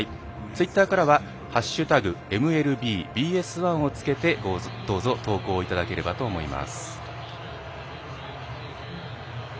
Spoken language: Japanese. ツイッターからは「＃ｍｌｂｂｓ１」をつけてどうぞ投稿いただければと思います。